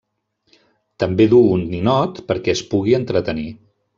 També duu un ninot perquè es pugui entretenir.